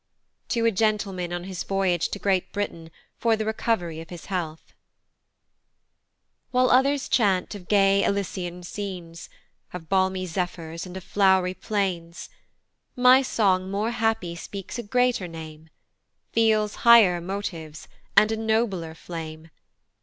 To a GENTLEMAN on his Voyage to Great Britain for the Recovery of his Health. WHILE others chant of gay Elysian scenes, Of balmy zephyrs, and of flow'ry plains, My song more happy speaks a greater name, Feels higher motives and a nobler flame.